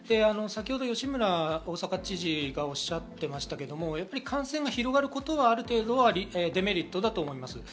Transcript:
先ほど吉村大阪府知事がおっしゃっていましたけど、感染が広がることは、ある程度はデメリットだと思います。